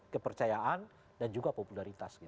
kepercayaan dan juga popularitas